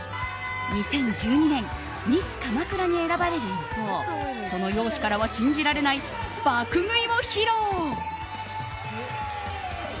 ２０１２年ミス鎌倉に選ばれる一方その容姿からは信じられない爆食いを披露。